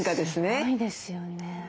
すごいですよね。